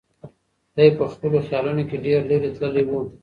دی په خپلو خیالونو کې ډېر لرې تللی و.